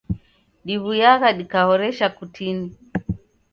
Diw'uyagha dikahoresha kutini.